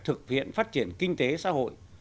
thực hiện phát triển kinh tế xã hội